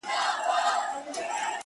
• پرېميږده ـ پرېميږده سزا ده د خداى ـ